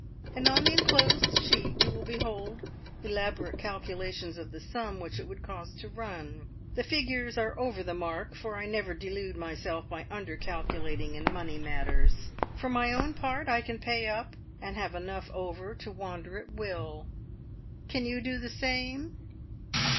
And on the enclosed sheet you will behold elaborate calculations of the sum which it would cost to run. The figures are over the mark, for I never delude myself by under calculating in money matters. For my own part, I can pay up, and have enough over to wander at will. Can you do the same?